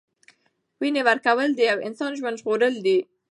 وینه ورکول د یو انسان ژوند ژغورل دي.